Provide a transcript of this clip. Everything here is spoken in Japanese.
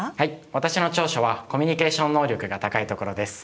私の長所はコミュニケーション能力が高いところです。